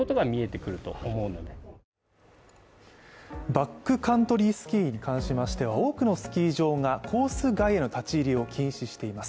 バックカントリースキーに関しましては多くのスキー場がコース外への立ち入りを禁止しています。